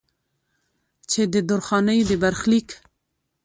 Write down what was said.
چې د درخانۍ د برخليک